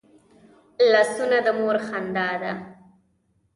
لاسونه د مور خندا ده